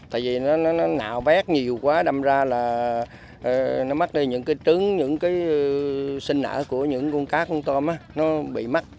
tại vì nó nạo vét nhiều quá đâm ra là nó mất đi những cái trứng những cái sinh nở của những con cá con tôm nó bị mất